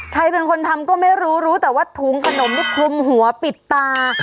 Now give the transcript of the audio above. ใครเป็นคนทำก็ไม่รู้รู้แต่ว่าถุงขนมที่คลุมหัวปิดตา